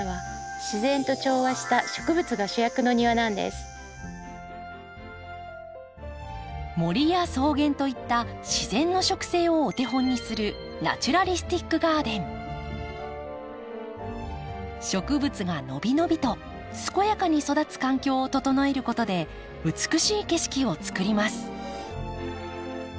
私が目指しているのは森や草原といった自然の植生をお手本にする植物が伸び伸びと健やかに育つ環境を整えることで美しい景色をつくります。